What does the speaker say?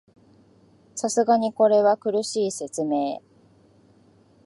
さすがにこれは苦しい説明